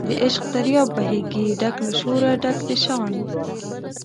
د عشق دریاب بهیږي ډک له شوره ډک د شان